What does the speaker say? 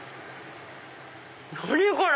何これ⁉